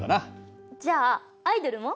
じゃあアイドルも？